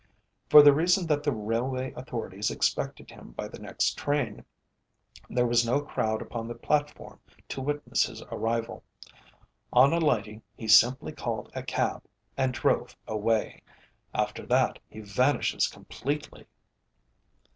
For the reason that the Railway Authorities expected him by the next train, there was no crowd upon the platform to witness his arrival. On alighting he simply called a cab and drove away. After that he vanishes completely."